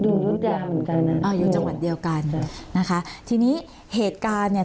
รุนแรงเหมือนกันนะอ้าวอยู่จังหวัดเดียวกันนะคะทีนี้เหตุการณ์เนี่ย